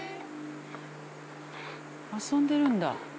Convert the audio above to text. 遊んでるんだ。